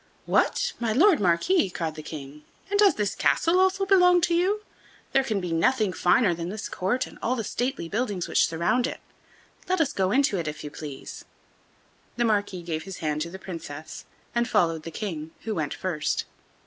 "What! my Lord Marquis," cried the King, "and does this castle also belong to you? There can be nothing finer than this court and all the stately buildings which surround it; let us go into it, if you please." The Marquis gave his hand to the Princess, and followed the King, who went first.